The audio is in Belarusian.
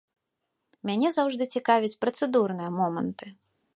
Мяне заўжды цікавяць працэдурныя моманты.